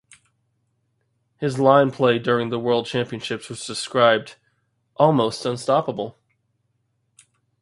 His line play during the world championships was described "almost unstoppable".